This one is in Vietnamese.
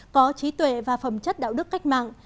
có trí tuệ và phẩm chất đạo đức cách mạng